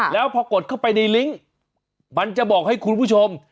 แล้วพอกดเข้าไปในลิงก์มันจะบอกให้คุณผู้ชม